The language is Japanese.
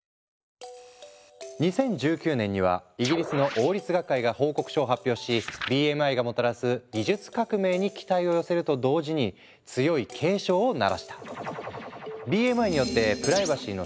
２０１９年にはイギリスの王立学会が報告書を発表しＢＭＩがもたらす技術革命に期待を寄せると同時に強い警鐘を鳴らした。